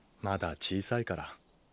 まだ小さいから。